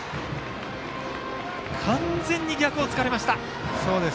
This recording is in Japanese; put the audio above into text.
完全に逆を突かれました。